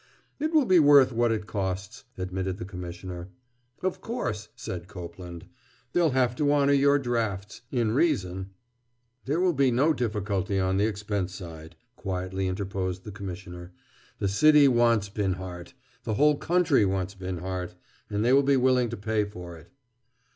"It will be worth what it costs," admitted the Commissioner. "Of course," said Copeland, "they'll have to honor your drafts—in reason." "There will be no difficulty on the expense side," quietly interposed the Commissioner. "The city wants Binhart. The whole country wants Binhart. And they will be willing to pay for it."